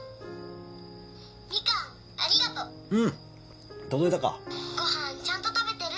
みかんありがとううん届いたかご飯ちゃんと食べてる？